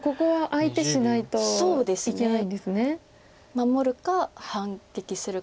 守るか反撃するか。